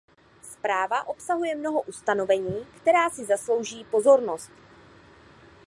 Zpráva obsahuje mnoho ustanovení, která si zaslouží pozornost.